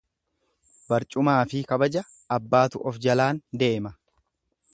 Marcumaafi kabaja abbaatu of jalaan deema.